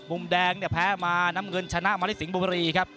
มุมแดงเนี่ยแพ้มาน้ำเงินชนะมาริสิงห์บุรีครับ